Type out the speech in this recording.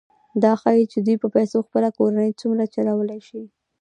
دا ښيي چې دوی په پیسو خپله کورنۍ څومره چلولی شي